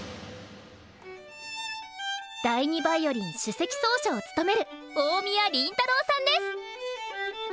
第２ヴァイオリン首席奏者を務める大宮臨太郎さんです。